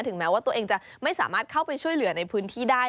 แม้ว่าตัวเองจะไม่สามารถเข้าไปช่วยเหลือในพื้นที่ได้